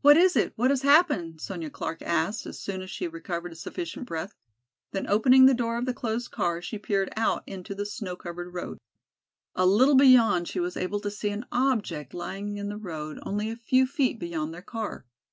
"What is it, what has happened?" Sonya Clark asked, as soon as she had recovered sufficient breath, then opening the door of the closed car she peered out into the snow covered road. A little beyond she was able to see an object lying in the road only a few feet beyond their car.